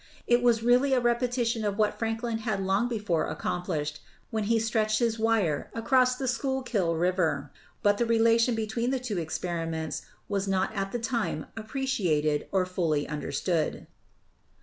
It was really a repetition of what Franklin had long before accomplished when he stretched his wire across the Schuylkill River, but the relation between the two experiments was not at the time appreciated or fully understood."